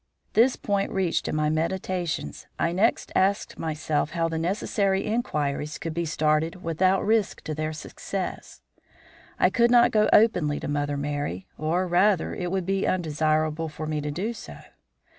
This point reached in my meditations, I next asked myself how the necessary inquiries could be started without risk to their success. I could not go openly to Mother Merry, or, rather, it would be undesirable for me to do so.